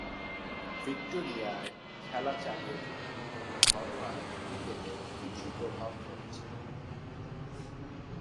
ভিক্টোরিয়ায় খেলা চালিয়ে যান ও ঘরোয়া ক্রিকেটে কিছু প্রভাব ফেলেছিলেন।